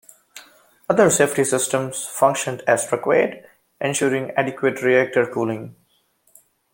Other safety systems functioned as required, ensuring adequate reactor cooling.